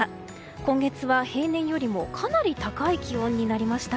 今月は平年よりもかなり高い気温になりました。